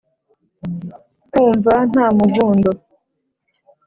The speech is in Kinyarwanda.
nkumva nta muvundo